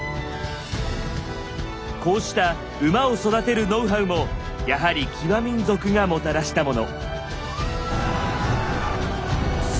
こうした馬を育てるノウハウもやはり騎馬民族がもたらしたもの。